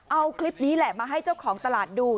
เอาคลิปนี้แหละมาให้เจ้าของตลาดดู